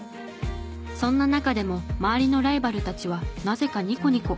そんな中でも周りのライバルたちはなぜかニコニコ。